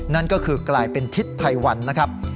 นั่นก็คือกลายเป็นทิศภัยวันนะครับ